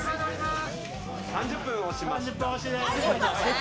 ３０分押しました。